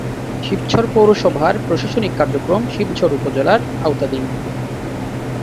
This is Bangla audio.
শিবচর পৌরসভার প্রশাসনিক কার্যক্রম শিবচর উপজেলার আওতাধীন।